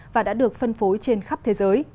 và đã được phân phối trên khắp thế giới